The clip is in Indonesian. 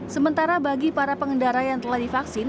sementara bagi para pengendara yang telah divaksin